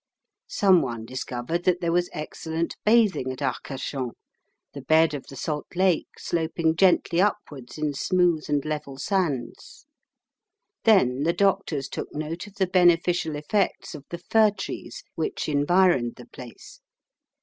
Some one discovered that there was excellent bathing at Arcachon, the bed of the salt lake sloping gently upwards in smooth and level sands. Then the doctors took note of the beneficial effects of the fir trees which environed the place.